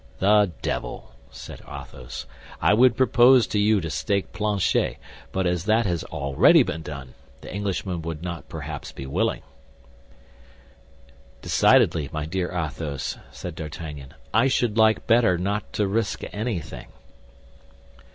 "The devil!" said Athos. "I would propose to you to stake Planchet, but as that has already been done, the Englishman would not, perhaps, be willing." "Decidedly, my dear Athos," said D'Artagnan, "I should like better not to risk anything."